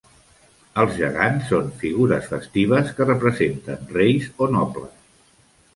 Els gegants són figures festives que representen reis o nobles.